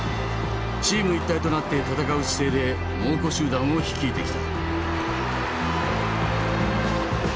チーム一体となって戦う姿勢で猛虎集団を率いてきた。